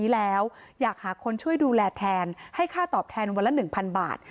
หาคนช่วยดูแลแทนให้ค่าตอบแทนวันละ๑๐๐๐บาท